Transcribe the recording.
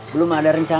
belum ada rencana